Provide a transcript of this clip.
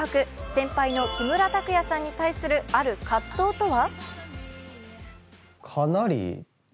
先輩の木村拓哉さんに対する、ある葛藤とは？